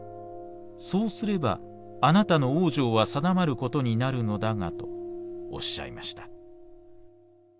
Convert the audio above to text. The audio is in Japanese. そうすればあなたの往生は定まることになるのだが』とおっしゃいました」。